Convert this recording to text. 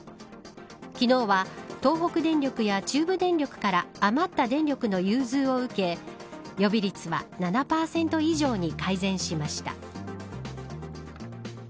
昨日は、東北電力や中部電力から余った電力の融通を受け予備率は７％以上に改善しました。